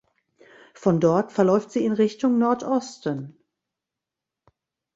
Von dort verläuft sie in Richtung Nordosten.